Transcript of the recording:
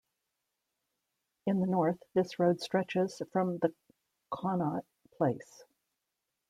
In the north this road stretches from the Connaught Place.